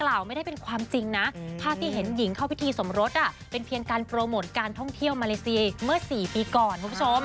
พากส์ที่เห็นหญิงเข้าพิธีสมรสเป็นเพียงการโปรโมทการท่องเที่ยวมาเลสีเมื่อ๔ปีก่อน